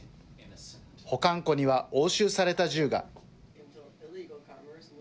保管庫には押収された銃が。